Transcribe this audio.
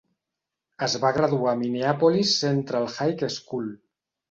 Es va graduar a Minneapolis Central High School.